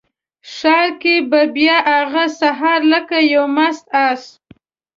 ښار کې به بیا هغه سهار لکه یو مست آس،